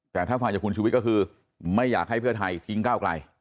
แต่ถ้าฟังจากคุณชุวิตก็คือไม่อยากให้เพื่อไทยทิ้งก้าวไกล